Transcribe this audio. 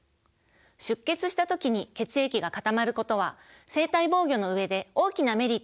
出血した時に血液が固まることは生体防御の上で大きなメリットがあります。